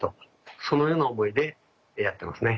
そのような思いでやってますね。